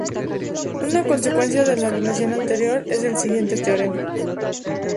Una consecuencia de la relación anterior es el siguiente teorema.